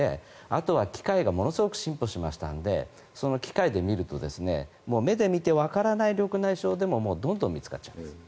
あとは機械がものすごく進歩しましたのでその機械で見ると目で見てわからない緑内障でもどんどん見つかっちゃいます。